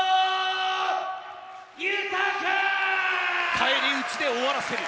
返り討ちで終わらせる。